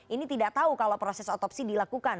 ini tidak tahu kalau proses otopsi dilakukan